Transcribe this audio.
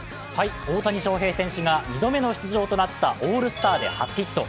大谷翔平選手が２度目の出場となったオールスターで初ヒット。